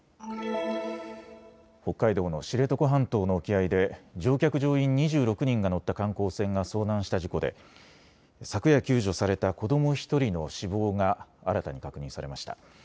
北海道の知床半島の沖合で乗客・乗員２６人が乗った観光船が遭難した事故で昨夜、救助された子ども１人の死亡が新たに確認されました。